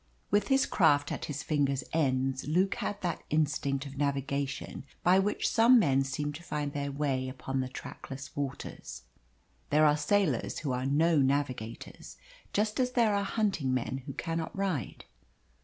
With his craft at his fingers' ends, Luke had that instinct of navigation by which some men seem to find their way upon the trackless waters. There are sailors who are no navigators just as there are hunting men who cannot ride.